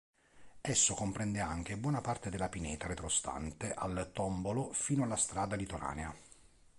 Esso comprende anche buona parte della pineta retrostante al tombolo fino alla strada litoranea.